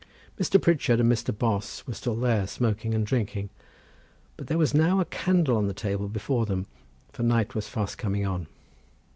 Mr. Pritchard and Mr. Bos were still there smoking and drinking, but there was now a candle on the table before them, for night was fast coming on.